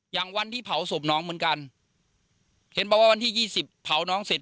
อย่างวันที่เผาศพน้องเหมือนกันเห็นบอกว่าวันที่ยี่สิบเผาน้องเสร็จ